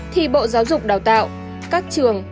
thì bộ giáo dục đào tạo các trường